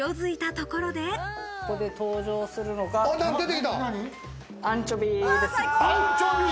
ここで登場するのがアンチョビです。